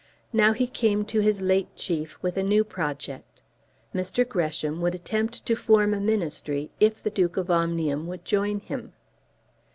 Now he came to his late chief with a new project. Mr. Gresham would attempt to form a Ministry if the Duke of Omnium would join him.